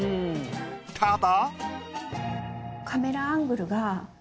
ただ。